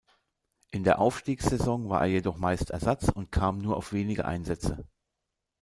In der Aufstiegssaison war er jedoch meist Ersatz und kam nur auf wenige Einsätze.